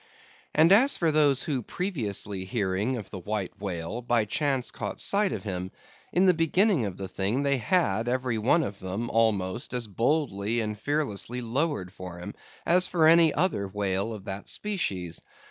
And as for those who, previously hearing of the White Whale, by chance caught sight of him; in the beginning of the thing they had every one of them, almost, as boldly and fearlessly lowered for him, as for any other whale of that species.